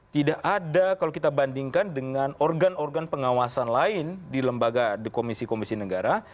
tidak ada kalau kita bandingkan dengan organ organ pengawasan lain di lembaga komisi komisi negara